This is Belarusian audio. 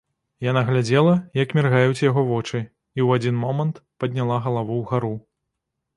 Яна глядзела, як міргаюць яго вочы, і ў адзін момант падняла галаву ўгару.